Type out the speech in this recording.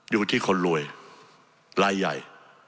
อยู่ที่คนรวยรายใหญ่